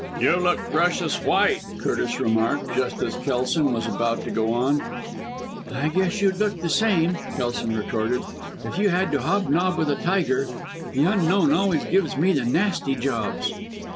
"You look precious white," Curtis remarked, just as Kelson was about to go on. "I guess you'd look the same," Kelson retorted, "if you had to hobnob with a tiger. The Unknown always gives me the nasty jobs."